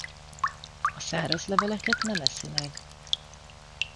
A száraz leveleket nem eszi meg.